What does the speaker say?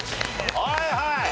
はいはい。